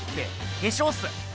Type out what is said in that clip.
化粧っす。